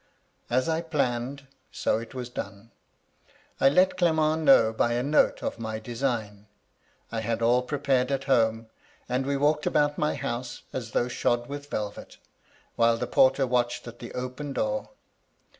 As I planned, so it was done. I let Clement know, by a note, of my design. I had all prepared at home, and we walked about my house as though shod with velvet, while the porter watched at the open door.